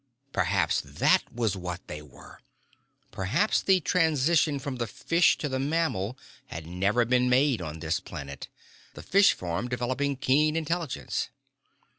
Perhaps that was what they were! Perhaps the transition from the fish to the mammal had never been made on this planet, the fish form developing keen intelligence.